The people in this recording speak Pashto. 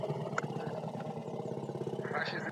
د فراغت سند په پټه نه بدلیږي.